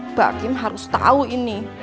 mbak kim harus tahu ini